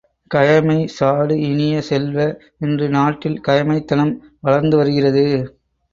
கயமை சாடு இனிய செல்வ, இன்று நாட்டில் கயமைத் தனம் வளர்ந்து வருகிறது.